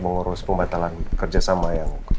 mengurus pembatalan kerjasama yang